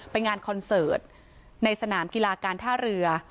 ไปงานคอนเสิร์ตในสนามกีฬาการท่าเรือ